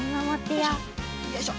よいしょ！